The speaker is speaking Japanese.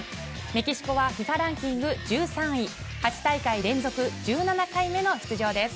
メキシコはＦＩＦＡランキング１３位、８大会連続１７回目の出場です。